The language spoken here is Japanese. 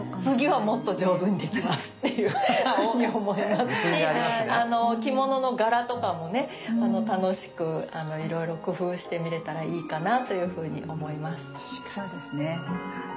次はもっと上手にできますっていうふうに思いますし着物の柄とかもね楽しくいろいろ工夫してみれたらいいかなというふうに思います。